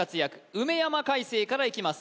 梅山開世からいきます